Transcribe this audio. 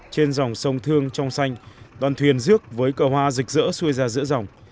trên dòng sông thương trong xanh đoàn thuyền rước với cờ hoa rực rỡ xuôi ra giữa dòng